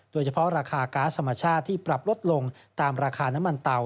โดยเฉพาะราคาก๊าซธรรมชาติที่ปรับลดลงตามราคาน้ำมันเตา